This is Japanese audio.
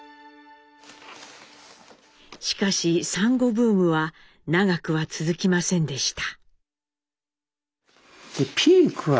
しかしサンゴブームは長くは続きませんでした。